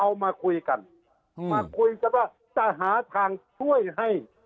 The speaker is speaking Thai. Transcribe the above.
มาคุยกันมาคุยกันว่าจะหาทางช่วยให้